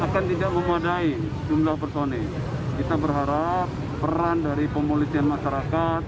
kita berharap peran dari pemolisian masyarakat